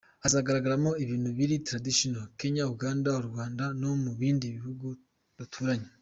Hazagaragaramo ibintu biri traditional, Kenya Uganda, u Rwanda no mu bindi bihugu duturanye.